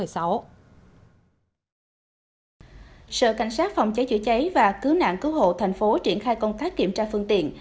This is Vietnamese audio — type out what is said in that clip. sở cảnh sát phòng cháy chữa cháy và cứu nạn cứu hộ thành phố triển khai công tác kiểm tra phương tiện